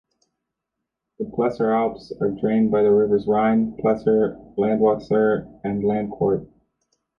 The Plessur Alps are drained by the rivers Rhine, Plessur, Landwasser and Landquart.